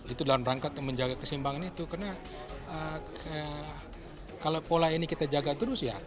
itu dalam rangka menjaga kesimbangan itu karena kalau pola ini kita jaga terus ya